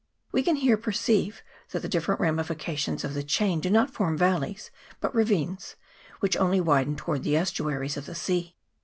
We can here perceive that the different ramifications of the chain do not form valleys, but ravines, which only widen towards the estuaries of the sea.